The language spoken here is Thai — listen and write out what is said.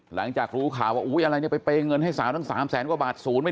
หลังจากรู้ข่าวว่าอุ๊ยอะไรเนี่ยไปเปย์เงินให้สาวทั้ง๓แสนกว่าบาทศูนย์